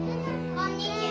こんにちは。